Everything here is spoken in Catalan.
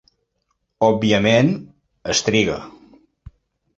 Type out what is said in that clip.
Òbviament, es triga.